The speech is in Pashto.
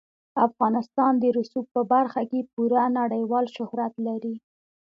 افغانستان د رسوب په برخه کې پوره نړیوال شهرت لري.